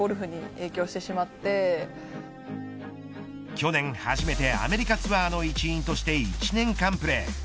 去年、初めてアメリカツアーの一員として１年間プレー。